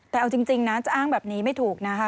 แต่เอาจริงนะจะอ้างแบบนี้ไม่ถูกนะคะ